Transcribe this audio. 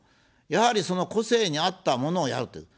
やはり、その個性に合ったものをやるという。